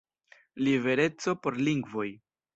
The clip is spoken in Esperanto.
Libereco por lingvoj!